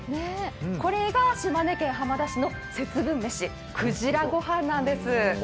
これが島根県浜田市の節分メシ、くじらご飯なんです。